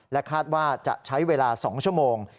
คาดว่าจะใช้เวลา๒ชั่วโมง